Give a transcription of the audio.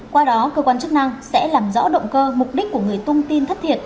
qua đó cơ quan chức năng sẽ làm rõ động cơ mục đích của người tung tin thất thiệt